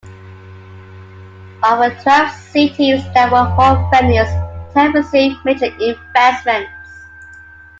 Of the twelve cities that will hold venues, ten will receive major investments.